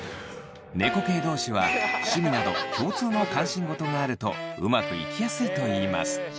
猫系同士は趣味など共通の関心事があるとうまくいきやすいといいます。